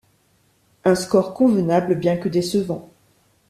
Un score convenable, bien que décevant.